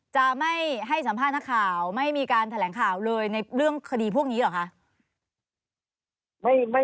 จะไม่ให้สัมภาษณ์นักข่าวไม่มีการแถลงข่าวเลยในเรื่องคดีพวกนี้เหรอคะ